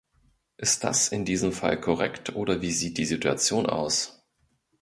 Ist das in diesem Fall korrekt oder wie sieht die Situation aus?